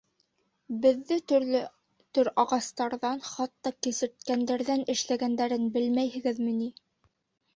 — Беҙҙе төрлө төр ағастарҙан, хатта кесерткәндән эшләгәндәрен белмәйһегеҙме ни?